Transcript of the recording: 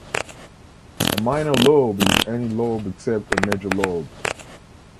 A minor lobe is any lobe except a major lobe.